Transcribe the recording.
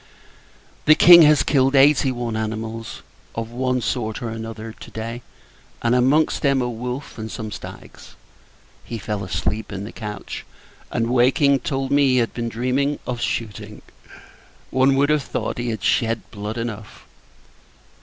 The King has killed eighty one animals, of one sort or other, to day; and, amongst them, a wolf, and some stags. He fell asleep in the coach; and, waking, told me he had been dreaming of shooting. One would have thought, he had shed blood enough.